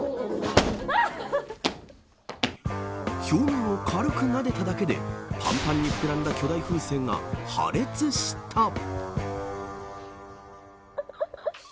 表面を軽くなでただけでぱんぱんに膨らんだ巨大風船が破裂した。